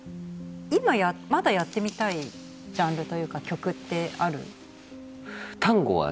今まだやってみたいジャンルというか曲ってある？